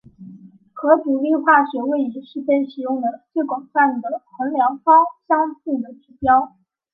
核独立化学位移是被使用得最广泛的衡量芳香性的指标。